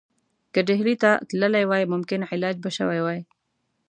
که ډهلي ته تللی وای ممکن علاج به شوی وای.